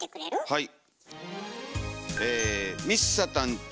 はい。